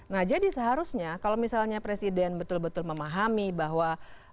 nah jadi seharusnya kalau misalnya presiden betul betul memahami bahwa